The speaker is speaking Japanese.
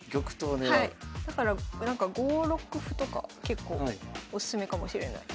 だからなんか５六歩とか結構おすすめかもしれない。